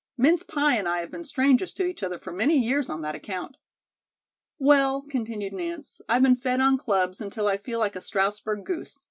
Mince pie and I have been strangers to each other for many years on that account." "Well," continued Nance, "I've been fed on clubs until I feel like a Strausberg goose.